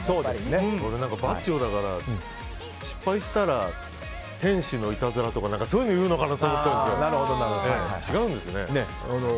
俺、バッジョだから失敗したら天使のいたずらとかそういうの言うのかなと思ったんですが違うんですね。